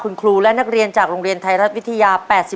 คุณครูและนักเรียนจากโรงเรียนไทยรัฐวิทยา๘๔